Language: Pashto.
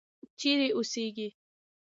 چیرې اوسیږې.